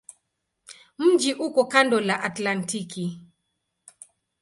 Mji uko kando la Atlantiki.